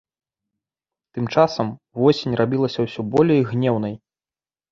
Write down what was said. Тым часам восень рабілася ўсё болей гнеўнай.